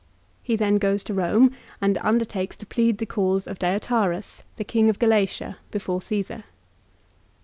He then goes to Home and undertakes to plead the cause of Deiotarus, the King of Galatia, before Caesar.